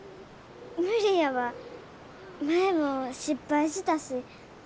無理やわ前も失敗したし。